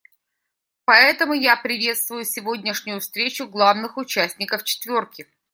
Поэтому я приветствую сегодняшнюю встречу главных участников «четверки».